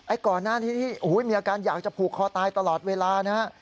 ก่อนหน้านี้ที่มีอาการอยากจะผูกคอตายตลอดเวลานะฮะ